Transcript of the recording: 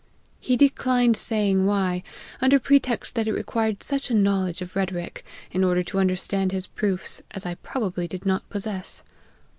He declined saying why, under pretext that it required such a knowledge of rhetoric, in order to understand his proofs, as I probably did not possess.